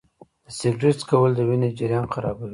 د سګرټ څکول د وینې جریان خرابوي.